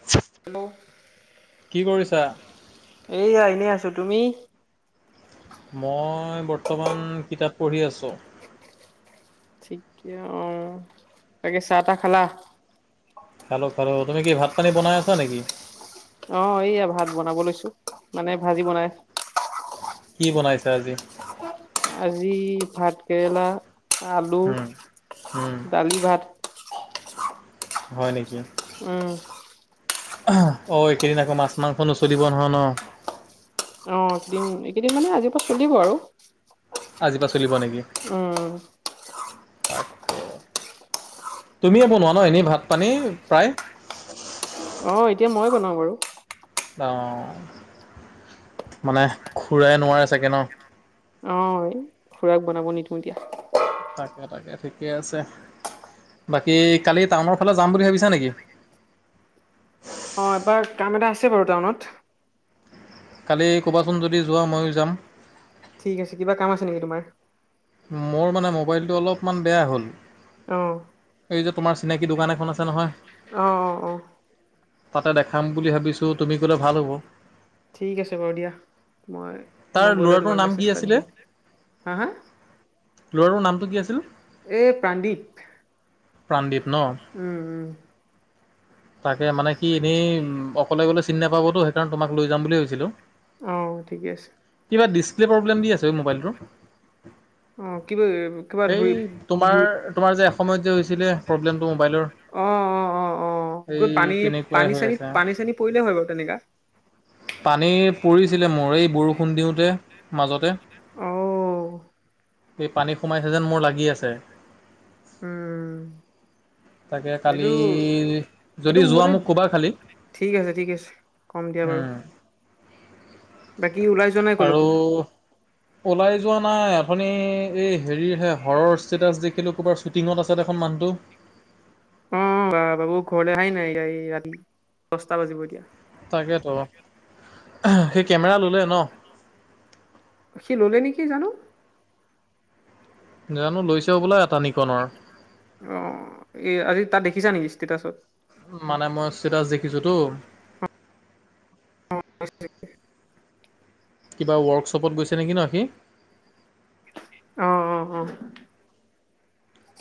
[unintelligible] হ [unintelligible] কি কৰিছা? এইয়া এনেই আছোঁ তুমি? মই বৰ্তমান কিতাপ পঢ়ি আছোঁ। ঠিকে অ, তাকে চাহটাহ খালা? খাল লক, খালোঁ তুমি কি ভাত পানী বনাই আছা নেকি? অ, এইয়া ভাত বনাব লৈছো মানে ভাজি বনাই কি বনাইছা আজি? আজি ভাত কেৰেলা, আলু, উম, উম। দালি, ভাত। হয় নেকি। উম। অ, এইকেইদিন আকৌ মাছ, মাংসো চলিব নহয় ন। অ, এইকেইদিন, এইকেইদিন মানে আজিৰ পৰা চলিব আৰু। আজিৰ পৰাা চলিব নেকি? উম। তাকে। তুমিয়ে বনোৱা ন' এনেই ভাত পানী প্ৰায়? অ' এতিয়া মই বনাওঁ বাৰু। অ' মানে খুৰাই নোৱাৰে চাগে ন'? অ' এ, খুৰাক বনাব নিদিও এতিয়া। তাকে তাকে, ঠিকে আছে। বাকী কালি টাউনৰফালে যাম বুলি ভাবিছা নেকি? অ' এবাৰ কাম এটা আছে বাৰু টাউনত। কালি ক'বাচোন যদি যোৱা ময়ো যাম। ঠিক আছে। কিবা কাম আছে নেকি তোমাৰ? মোৰ মানে মোবাইলটো অলপমান বেয়া হ'ল। অ এইযে তোমাৰ চিনাকী দোকান এখন আছে নহয়। অ অ অ তাতে দেখাম বুলি ভাবিছোঁ, তুমি ক'লে ভাল হ'ব। ঠিক আছে বাৰু দিয়া মই তাৰ মই গ'লে ল'ৰাটোৰ তোমাক নাম কি মেছেজ এটা আছিলে দিম। হা হা? ল'ৰাটোৰ নামটো কি আছিল? এই প্রান্দিপ। প্ৰাণদ্বীপ ন উম, উম। তাকে, মানে কি এনেই অকলে গলে চিনি নাপাবতো সেইকাৰণে তোমাক লৈ যাম বুলি ভাবিছিলোঁ। অ ঠিকে আছে কিবা ডিছপ্লে প্ৰব্লেম দি আছে মোবাইলটোৰ। অ' কিবা কিবা সেই ধৰি তোমাৰ তোমাৰ যে এসময়ত যে হৈছিলে প্ৰব্লেমটো মোবাইলৰ। অ', অ', অ', অ' এই তত পানী তেনেকুৱাই পানী হৈ চানী আছে পানী চানী পৰিলে হয় বাৰু তেনেকা। পানী পৰিছিলে মৰে, এই বৰষুণ দিওঁতে মাজতে। অ'। সেই পানী সোমাইছে যেন মোৰ লাগি আছে। উম তাকে কালি এইটো যদি এইটো যোৱা মতে, মোক ক'বা খালি ঠিক আছে ঠিক আছে কম দিয়া বাৰু। বাকি ওলাই যোৱা নাই আৰু কলৈকো ওলাই যোৱা নাই, আপুনি এই হেৰিৰহে হৰৰ ষ্টেটাছ দেখিলো ক'ৰবাৰ শ্বুটিঙত আছে দেখোন মানুহটো। অ' বাবু ঘৰলৈ হাই নাই ৰাতি, দহটা বাজিব এতিয়া। তাকেতো। সি কেমেৰা ললে ন'? সি ল'লে নেকি জানো। জানো লৈছে হ'বলা এটা নিকনৰ। অ' এই আজি তাত দেখিছা নেকি ষ্টেটাছত? মানে মই ষ্টেটাছ দেখিছোতো। হয় ছাগে। কিবা ৱৰ্কশ্বপত গৈছে নেকি ন' সি? অ', অ', অ'।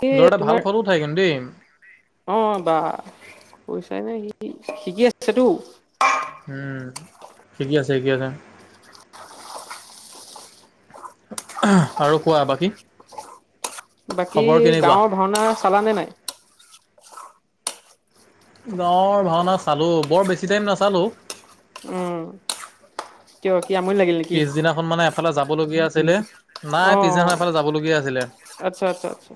এই দৰ এটা তোমাৰ ভাল ফ'টো উঠায় কিন্তু দেই। অ' বা কৈছে ইনে সি শিকি আছেতো। উম, শিকি আছে শিকি আছে। [inaudible] আৰু কোৱা বাকী? বাকী খবৰ কেনেকুৱা? গাঁওৰ ভাওনা চালানে নাই? গাঁৱৰ ভাওনা চালোঁ, বৰ বেছি টাইম নাচালোঁ। উম, কিয় কি আমনি লাগিল নেকি? এখন মানে এফালে যাবলগীয়া আছিলে নাই, অ পিছদিনা এফালে যাবলগীয়া আছিলে। আচ্ছা আচ্ছা আচ্ছা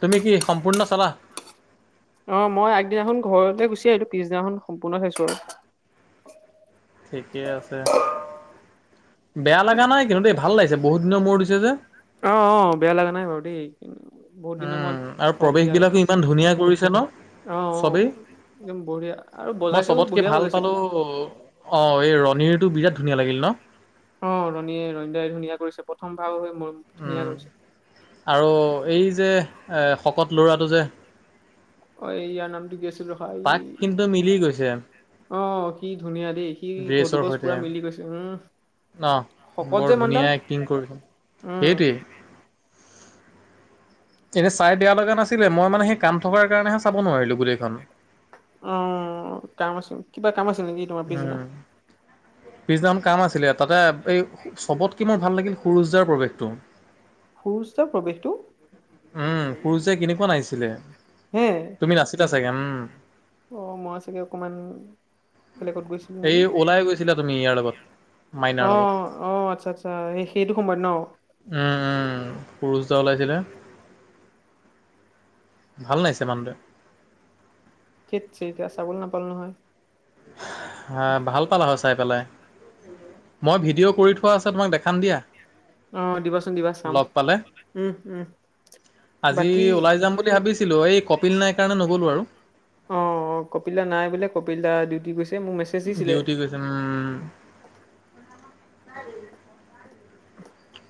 তুমি কি সম্পূৰ্ণ চালা? অ, মই আগদিনাখন ঘৰলৈ গুচি আহিলো পিছদিনাখন সম্পূৰ্ণ চাইছো আৰু। ঠিকে আছে বেয়া লগা নাই। কিন্তু দ, এই ভাল লাগিছে বহুত দিনৰ মূৰ দিছে যে। অ', অ', বেয়া লগা নাই বাৰু দে। উম, আৰু প্ৰৱেশ অ বিলাকো ইমান ধুনীয়া কৰিছে ন। অ চবেই একদম বঢ়িয়া আৰু মই বজাইছেও চবতকে বঢ়িয়া ভাল বজাইছেতো পালো। অ, এই ৰণীৰটো বিৰাট ধুনীয়া লাগিল ন। অ, ৰণীয়ে, ৰণী দাই ধুনীয়া কৰিছে প্ৰথম ভাৰ হৈ মোৰ ধুনীয়া কৰিছে আৰু এই যে শকত ল'ৰাটো যে অ, এই ইয়াৰ নামটো কি আছিল ৰখা তাক এই কিন্তু মিলি গৈছে অ, কি ধুনীয়া দেই। কি ড্ৰেছৰ ঘটুগছ সৈতে পুৰা মিলি গৈছে উম। অ শকত বৰ যে মণ্ডাল ধুনীয়া এক্টিং কৰিছে উম। সেইটোৱেই এনে চাই বেয়া লগা নাছিলে। মই মানে সেই কাম থকাৰ কাৰণেহে চাব নোৱাৰিলো গোটেইখন অ, কাম আছে কিবা কাম আছে নেকি। তোমাৰ পিছদিনা উম, পিছদিনা খন কাম আছিলে তাতে এই চবতকে মই ভাল লাগিল সূৰুয দাৰ প্ৰৱেশটো সূৰুয দাৰ প্ৰৱেশটো উম, সূৰুযে কিনেকোৱা নাছিছিলে হে তুমি নাছিলা চাগে উম। অ, মই চাগে অকমান বেলেগ গৈছিল। এই ওলাই গৈছিলা তুমি ইয়াত অ', অ', আচ্ছা, আচ্ছা সেইটো সময়ত ন। উম, উম, সূৰুয যে ওলাইছিলে। ভাল নাছিছে মানুহটোৱে। ঠিক চ এতিয়া চাবল নাপালো নহয়। হ ভাল পালা আহ চাই পেলাই। মই ভিডিঅ' কৰি থোৱা আছে তোমাক দেখাম দিয়া। অ দিবাচোন দিবা চাম লগ পালে উম উম আজি বাকী ওলাই যাম বুলি ভাবিছো। ছিলো এই কপিল নাই কাৰণে নগ'লো আৰু। অ', অ', কপিলা নাই বোলে কপিল দা ডিউটি গৈছে মোক মে ডিউটি গৈছে উম।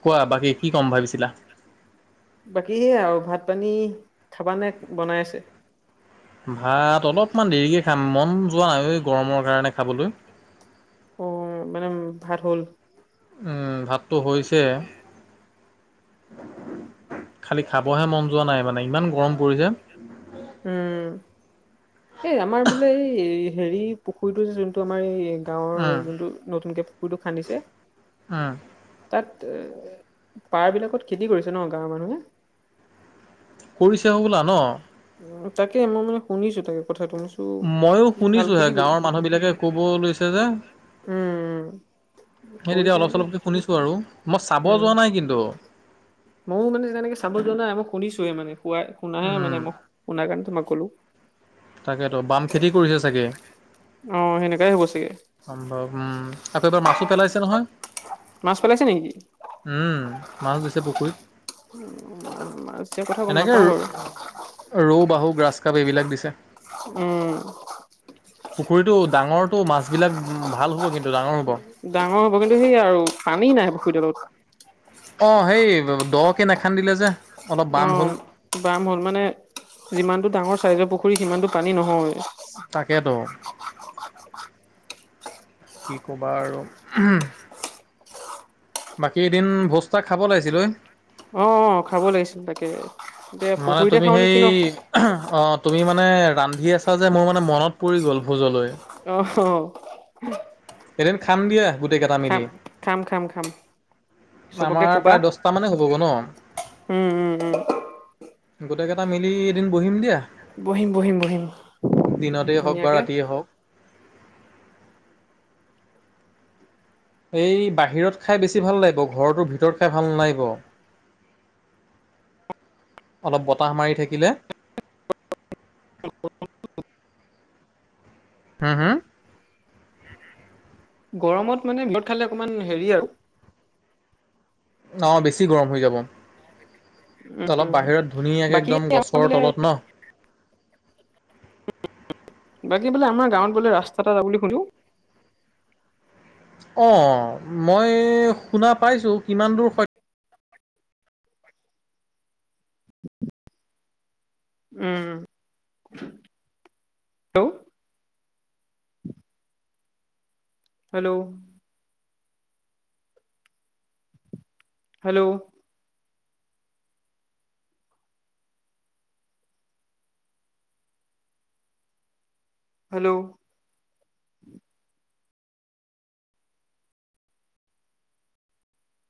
কোৱা বাকী কি ক'ম ভাবিছিলা? বাকী সে আৰু ভাত, পানী খাবা নে বনাই আছে। ভাত অলপমান দেৰিকৈ খাম মন যোৱা নাই এই গৰমৰ কাৰণে খাবলৈ। অ, মানে ভাল হ'ল। ভাতটো হৈছে। খালি খাবহে মন যোৱা নাই মানে ইমান গৰম পৰিছে। উম, এই আমাৰ বোলে এই হেৰি পুখুৰীটো যে যোনটো আমাৰ এই গাঁৱৰ উম, যোনটো নতুনকে পুখুৰীতটো খান্দিছে। হ তাত পাৰ বিলাকত খেতি কৰিছে ন গাঁৱৰ মানুহে। কৰিছে হ'বোলা ন। তাকে মই মানে শুনিছো তাকে কথাটো। ময়ো ভাল শুনিছো হে খেতি কৰি গাঁৱৰ মানুহ বিলাকে ক'ব লৈছে যে উম, উ। সেই তেতিয়া অলপ, চলপকে শুনিছো আৰু মই চাব উম যোৱা নাই কিন্তু। ময়ো মানে যেনেকে চাব যোৱা নাই মই শুনিছোৱোনে শাই, শুনাহে মানে উম, মই শুনা কাৰণে তোমাক মই ক'লো। তাকেতো বাম খেতি কৰিছে চাগে। অ, সেনেকাই হ'ব চাগে। সম্ভৱ উম, আকৌ এবাৰ মাছো পেলাইছে নহয়। মাছ পেলাইছে নে। উম, মাছ দিছে পুখুৰীত। উম, মাছ দিয়া কথা গম এনেকে নাপাওঁ বাৰু। ৰৌ, বাহু, গ্ৰাছ কাপ এইবিলাক দিছে। উম। পুখুৰীটো ডাঙৰটো মাছবিলাক ভাল হ'ব কিন্তু ডাঙৰ হ'ব। ডাঙৰ হ'ব কিন্তু সেই আৰু পানী নাই পুখুৰীডালত। অহ, সেই দহকে নেখান্দিলে যে অলপ বাম হ'ল। অ' বাম হ'ল মানে যিমানটো ডাঙৰ চাইজৰ পুখুৰী সিমানটো পানী নহয়। তাকেতো, কি কবা আৰু। বাকী এদিন ভোজ এটা খাব লাগিছিল ঐ। অহ', অহ' খাব লাগিছিল তাকে এতিয়া পুখুৰীতে খাওঁ নেকি ন'। অহ, তুমি মানে ৰান্ধি আছা যে মোৰ মানে মনত পৰি গ'ল ভোজলৈ। অহ। এদিন খাম দিয়া গোটেই কেইটা খাম মেলি। খাম খাম খাম। চবকে আমাৰ কবা। প্ৰায় দছটা মানে হ'বগৈ ন'। উম উম উম গোটেইকেইটা মিলি এদিন বহিম দিয়া, বহিম বহিম বহিম দিনতেই হওঁক বা ধুনীয়াকে। ৰাতিয়ে হওঁক। এই বাহিৰত খাই বেছি ভাল লাগিব, ঘৰটোৰ ভিতৰত খাই ভাল নালাগিব। অলপ বতাহ মাৰি থাকিলে। [unintelligible] হম', হম'। গৰমত মানে বিৰত খালে অকণমান হেৰি আৰু। অহ, বেছি গৰম হৈ যাব। অলপ বাহিৰত ধুনীয়াকে বাকী একদম আমাৰ গছৰ বোলে তলত ন'। [unintelligible] বাকী বোলে আমাৰ গাঁৱত বোলে ৰাস্তা এটা-এটা বুলি সুধিছোঁ। অহ, মই শুনা পাইছোঁ কিমান দূৰ সত্য। [unintelligible] উম। Hello hello. হেল্ল'। হেল্ল'।